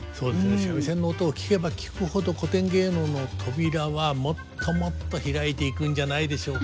三味線の音を聴けば聴くほど古典芸能の扉はもっともっと開いていくんじゃないでしょうか。